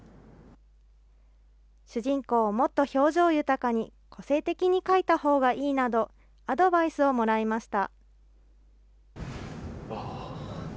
主人公をもっと表情豊かに個性的に描いたほうがいいなど、アドバイスをもらいました。